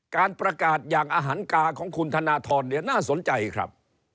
การประกาศอย่างอาหารกาของคุณธนทรเนี่ยน่าสนใจครับ